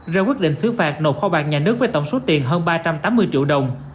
ra quyết định xứ phạt nộp kho bạc nhà nước với tổng số tiền hơn ba trăm tám mươi triệu đồng